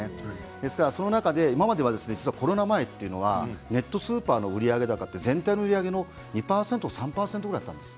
ですから、その中で今まではコロナ前というのはネットスーパーの売上高は全体の売り上げの２％、３％ぐらいだったんです。